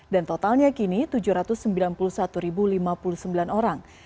dan totalnya kini tujuh ratus sembilan puluh satu lima puluh sembilan orang